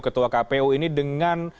ketua kpu ini dengan